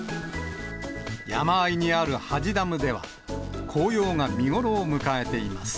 山あいにある土師ダムでは、紅葉が見頃を迎えています。